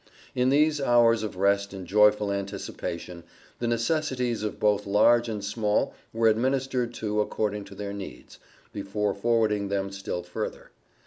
In these hours of rest and joyful anticipation the necessities of both large and small were administered to according to their needs, before forwarding them still further.